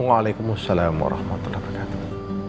waalaikumsalam warahmatullahi wabarakatuh